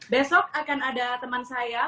besok akan ada teman saya